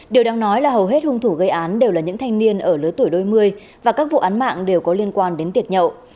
điều đáng nói là hầu hết hung thủ gây án đều là những thanh niên ở lứa tuổi đôi mươi và các vụ án mạng đều có liên quan đến tiệc nhậu